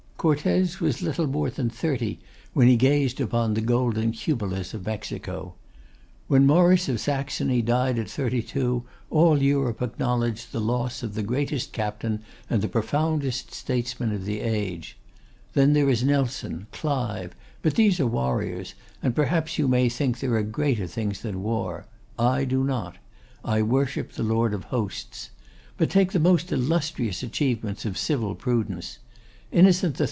Cortes was little more than thirty when he gazed upon the golden cupolas of Mexico. When Maurice of Saxony died at thirty two, all Europe acknowledged the loss of the greatest captain and the profoundest statesman of the age. Then there is Nelson, Clive; but these are warriors, and perhaps you may think there are greater things than war. I do not: I worship the Lord of Hosts. But take the most illustrious achievements of civil prudence. Innocent III.